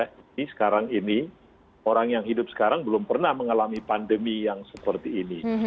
ini sekarang ini orang yang hidup sekarang belum pernah mengalami pandemi yang seperti ini